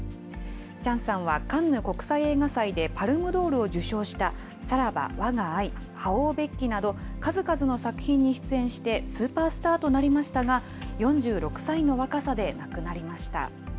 チャンさんはカンヌ国際映画祭でパルムドールを受賞した、さらば、我が愛／覇王別姫など、数々の作品に出演してスーパースターとなりましたが、４６歳の若さで亡くなりました。